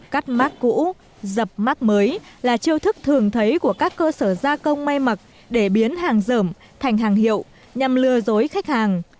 cắt mắt cũ dập mắt mới là chiêu thức thường thấy của các cơ sở gia công may mặc để biến hàng dởm thành hàng hiệu nhằm lừa dối khách hàng